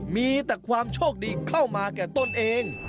มีแต่ความโชคดีเข้ามาแก่ตนเอง